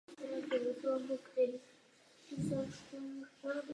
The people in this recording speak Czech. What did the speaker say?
V pokročilém věku tímto představením uzavřel svou bohatou divadelní kariéru.